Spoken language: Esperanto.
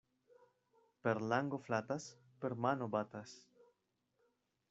Per lango flatas, per mano batas.